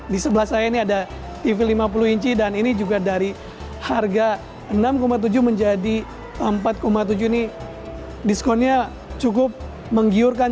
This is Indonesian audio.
di sebelah saya ini ada tv lima puluh inci dan ini juga dari harga enam tujuh menjadi empat tujuh ini diskonnya cukup menggiurkan